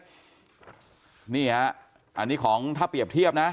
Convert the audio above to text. นี่ฮะอันนี้ของถ้าเปรียบเทียบนะ